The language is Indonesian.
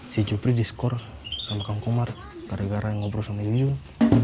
si cupri diskor sama kang kumar gara gara yang ngobrol sama yuyung